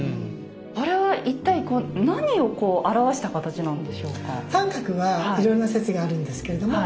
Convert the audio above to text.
これは一体何を表した形なんでしょうか？